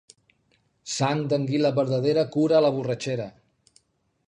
Sang d'anguila verdadera cura la borratxera.